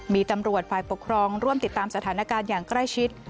มีตำรวจฝ่ายปกครองร่วมติดตามสถานการณ์อย่างใกล้ชิด